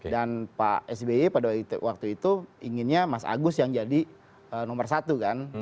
dan pak sbe pada waktu itu inginnya mas agus yang jadi nomor satu kan